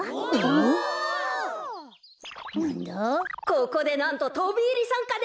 ここでなんととびいりさんかです。